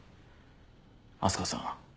明日香さん。